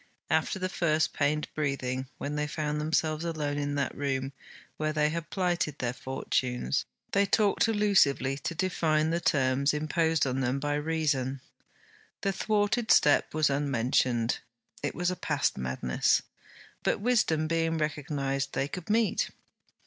After the first pained breathing, when they found themselves alone in that room where they had plighted their fortunes, they talked allusively to define the terms imposed on them by Reason. The thwarted step was unmentioned; it was a past madness. But Wisdom being recognized, they could meet.